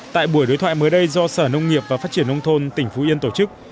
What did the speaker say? tại buổi đối thoại mới đây do sở nông nghiệp và phát triển nông thôn tỉnh phú yên tổ chức